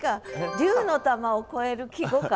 「竜の玉」を超える季語感？